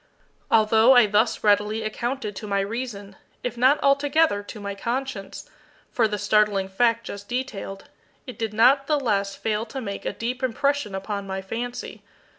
Although I thus readily accounted to my reason, if not altogether to my conscience, for the startling fact just detailed, it did not the less fail to make a deep impression upon my fancy.